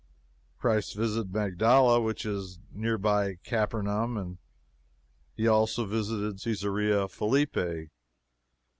Christ visited Magdala, which is near by Capernaum, and he also visited Cesarea Philippi.